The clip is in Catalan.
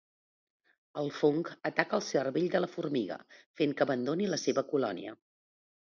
El fong ataca el cervell de la formiga fent que abandoni la seva colònia.